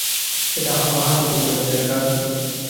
সেটা বাঁ-হাতি নয় সেটা ডান-হাতি।